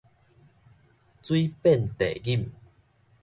水遍地錦